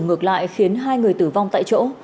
ngược lại khiến hai người tử vong tại chỗ